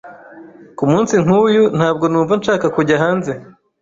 Kumunsi nkuyu, ntabwo numva nshaka kujya hanze.